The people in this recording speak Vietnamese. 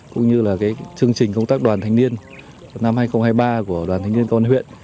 cũng như là chương trình công tác đoàn thanh niên năm hai nghìn hai mươi ba của đoàn thanh niên công an huyện